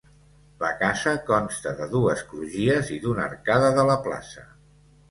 La casa consta de dues crugies i d'una arcada de la plaça.